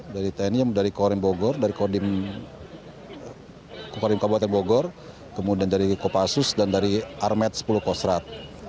dari teknik dari korim kabupaten bogor kemudian dari kopassus dan dari armed sepuluh kosrat